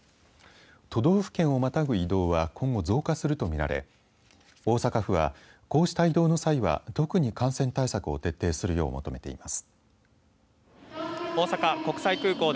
都道府県をまたぐ移動は今後、増加するとみられ大阪府はこうした移動の際は、特に感染対策を徹底するよう求めています。